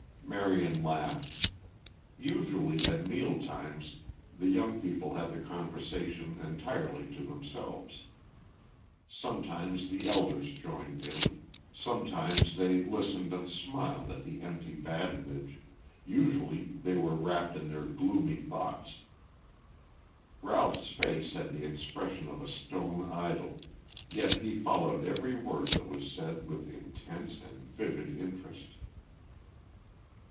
Marion laughed. Usually at meal times the young people had the conversation entirely to themselves. Sometimes the elders joined in; sometimes they listened and smiled at the empty badinage; usually they were wrapped in their gloomy thoughts. Ralph's face had the expression of a stone idol, yet he followed every word that was said with intense and vivid interest.